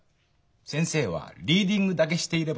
先生はリーディングだけしていれば結構ですから。